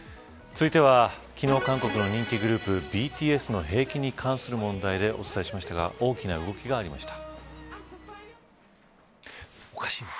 続いては昨日韓国の人気グループＢＴＳの兵役に関する問題お伝えしましたが大きな動きがありました。